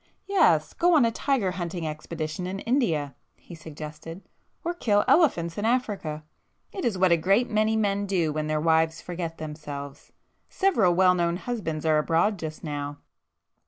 "Yes,—go on a tiger hunting expedition in India,"—he suggested—"Or kill elephants in Africa. It is what a great many men do when their wives forget themselves. Several well known husbands are abroad just now!"